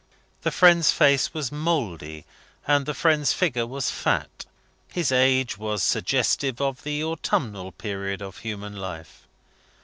The friend's face was mouldy, and the friend's figure was fat. His age was suggestive of the autumnal period of human life.